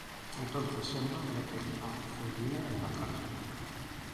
Entonces Emma mete a Regina en la cárcel.